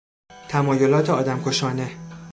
تمایلات آدمکشانه